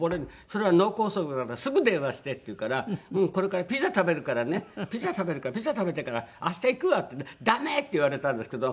「それは脳梗塞だからすぐ電話して！」って言うから「うん。これからピザ食べるからねピザ食べるからピザ食べてから明日行くわ」って言ったら「ダメ！」って言われたんですけど。